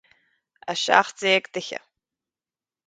A seacht déag d'fhichithe